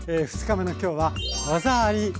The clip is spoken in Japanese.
２日目の今日は「技あり！洋風」